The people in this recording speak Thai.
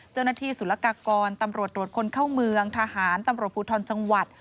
สุรกากรตำรวจตรวจคนเข้าเมืองทหารตำรวจภูทรจังหวัด